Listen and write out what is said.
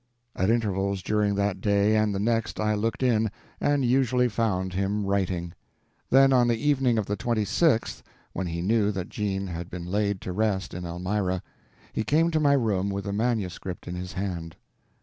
At intervals during that day and the next I looked in, and usually found him writing. Then on the evening of the 26th, when he knew that Jean had been laid to rest in Elmira, he came to my room with the manuscript in his hand.